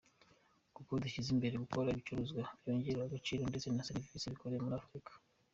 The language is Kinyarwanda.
Kuko dushyize imbere gukora ibicuruzwa byongerewe agaciro, ndetse na serivisi bikorewe muri Afrika’’.